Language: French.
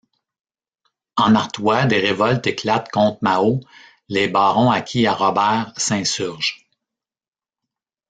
En Artois, des révoltes éclatent contre Mahaut, les barons acquis à Robert s’insurgent.